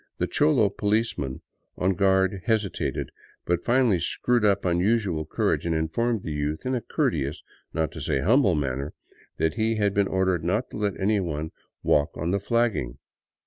The cholo ■ policeman on guard hesitated, but finally screwed up unusual courage ' and informed the youth in a courteous, not to say humble, manner that he had been ordered not to let any one walk on the flagging.